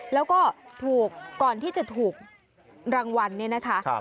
แล้วก็ถูกก่อนที่จะถูกรางวัลเนี่ยนะคะ